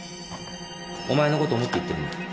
お前のことを思って言ってるんだ。